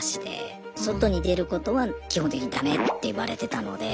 外に出ることは基本的にダメって言われてたので。